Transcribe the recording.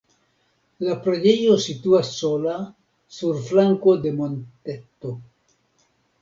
La preĝejo situas sola sur flanko de monteto.